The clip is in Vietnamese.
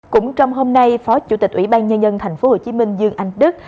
cũng trong hôm nay phó chủ tịch ủy ban nhân dân tp hcm dương anh đức